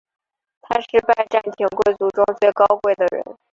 他是拜占庭贵族中最高贵的人。